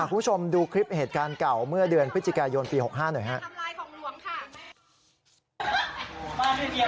คุณผู้ชมดูคลิปเหตุการณ์เก่าเมื่อเดือนพฤศจิกายนปี๖๕หน่อยครับ